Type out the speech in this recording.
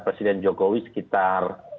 presiden jokowi sekitar